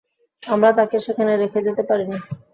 আমরা তাকে সেখানে রেখে যেতে পারি না।